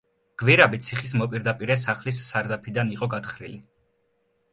გვირაბი ციხის მოპირდაპირე სახლის სარდაფიდან იყო გათხრილი.